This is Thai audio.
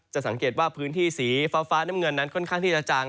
สังเกตว่าพื้นที่สีฟ้าน้ำเงินนั้นค่อนข้างที่จะจาง